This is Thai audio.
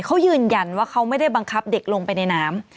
เขายืนยันว่าเขาไม่ได้บังคับเด็กลงไปในน้ำ